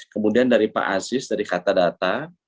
kemudian dari pak aziz dari katadata